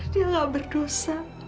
dia gak berdosa